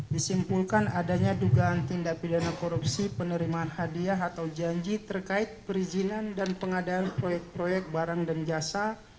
disimpulkan adanya dugaan tindak pidana korupsi penerimaan hadiah atau janji terkait perizinan dan pengadaan proyek proyek barang dan jasa